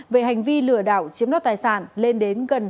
về hành vi lửa đảo chiếm đốt tài sản lên đến gần hai trăm linh triệu đồng